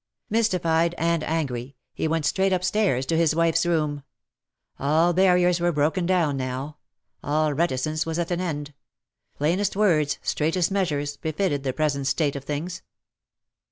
Mystified and angry, he went straight upstairs to 289 his wife's room. All barriers were broken down now. All reticence was at an end. Plainest words^ straightest measures^ befitted the present state of things.